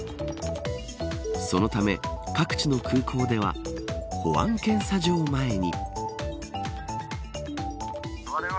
そのため、各地の空港では保安検査場前に。